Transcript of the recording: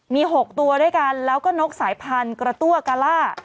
มี๖ตัวด้วยกันแล้วก็นกสายพันธุ์กระตั้วกาล่า